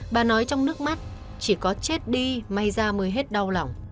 bà nói trong nước mắt chỉ có chết đi may ra mới hết đau lòng